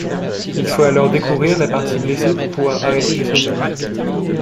Il faut alors découvrir la partie blessée pour pouvoir arrêter le saignement.